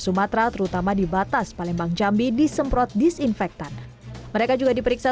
sumatera terutama di batas palembang jambi disemprot disinfektan mereka juga diperiksa